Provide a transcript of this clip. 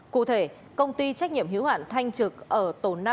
cụ thể công ty trách nhiệm hiếu hạn thanh trực ở tổ năm